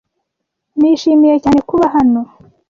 Nishimiye cyane kuba hano.